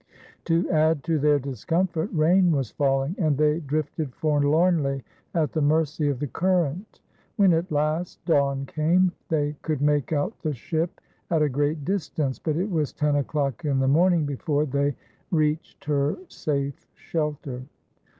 To add to their discomfort rain was falling, and they drifted forlornly at the mercy of the current. When at last dawn came, they could make out the ship at a great distance; but it was ten o'clock in the morning before they reached her safe shelter.